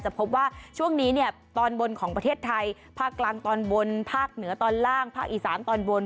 พบว่าช่วงนี้เนี่ยตอนบนของประเทศไทยภาคกลางตอนบนภาคเหนือตอนล่างภาคอีสานตอนบน